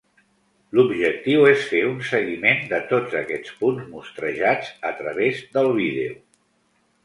L'objectiu és fer un seguiment de tots aquests punts mostrejats a través del vídeo.